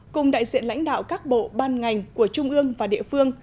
cùng đại diện lãnh đạo các bộ ban ngành của trung ương và địa phương